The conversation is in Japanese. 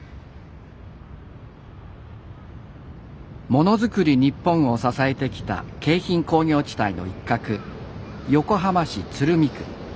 「ものづくり日本」を支えてきた京浜工業地帯の一角横浜市鶴見区。